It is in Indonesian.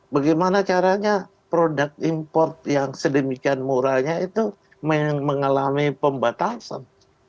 bagaimana caranya produk import yang sedemikian murahnya itu mengalami pembatasan